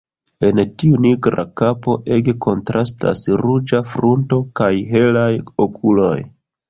En tiu nigra kapo ege kontrastas ruĝa frunto kaj helaj okuloj.